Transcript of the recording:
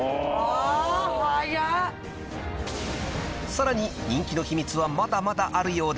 ［さらに人気の秘密はまだまだあるようで］